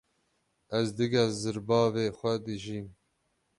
Ez digel zirbavê xwe dijîm.